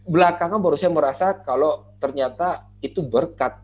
belakangan baru saya merasa kalau ternyata itu berkat